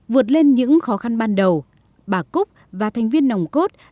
vượt lên những khó khăn ban đầu bà cúc và thành viên nòng cốt